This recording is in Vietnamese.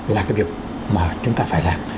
là cái việc mà chúng ta phải làm